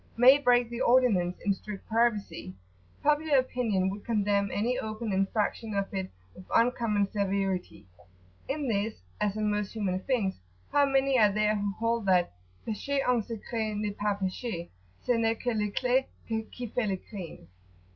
may break the ordinance in strict privacy, popular opinion would condemn any open infraction of it with uncommon severity. In this, as in most human things, how many are there who hold that "Pecher en secret n'est pas pecher, Ce n'est que l'eclat qui fait le crime"?